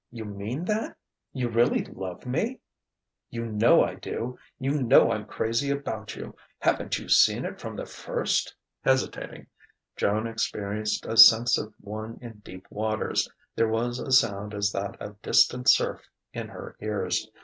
You mean that? You really love me?" "You know I do. You know I'm crazy about you. Haven't you seen it from the first?" Hesitating, Joan experienced a sense of one in deep waters. There was a sound as that of distant surf in her ears.